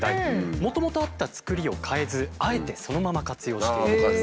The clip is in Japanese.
もともとあった造りを変えずあえてそのまま活用しているんです。